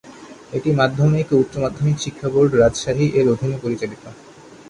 এটি মাধ্যমিক ও উচ্চ মাধ্যমিক শিক্ষা বোর্ড, রাজশাহী এর অধীনে পরিচালিত।